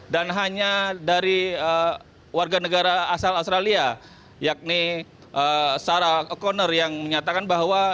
dan hanya dari warga negara asal australia yakni sarah o'connor yang menyatakan bahwa